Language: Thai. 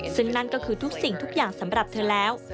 ซึ่งนั่นก็คือทุกสิ่งทุกอย่างสำหรับเธอแล้ว